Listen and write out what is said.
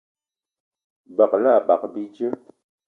Begela ebag bíjé